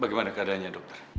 bagaimana keadaannya dokter